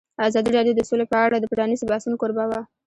ازادي راډیو د سوله په اړه د پرانیستو بحثونو کوربه وه.